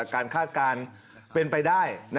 คาดการณ์เป็นไปได้